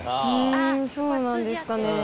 えそうなんですかね。